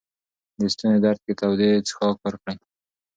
د ستوني درد کې تودې څښاک ورکړئ.